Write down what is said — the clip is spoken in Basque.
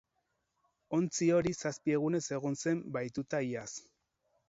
Ontzi hori zazpi egunez egon zen bahituta iaz.